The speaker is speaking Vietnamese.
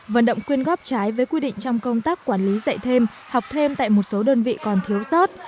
vận động quyên góp trái với quy định trong công tác quản lý dạy thêm học thêm tại một số đơn vị còn thiếu sót